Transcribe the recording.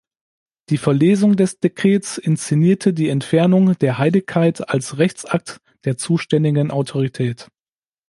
Die Verlesung des Dekrets inszeniert die Entfernung der Heiligkeit als Rechtsakt der zuständigen Autorität.